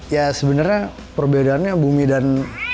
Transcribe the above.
ya sebenarnya perbedaannya bumi dan